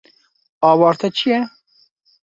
Awarte çi ye?